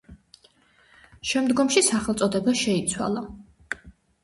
შემდგომში სახელწოდება შეიცვალა.